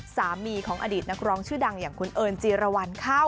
สามีของอดีตนักร้องชื่อดังอย่างคุณเอิญจีรวรรณข้าว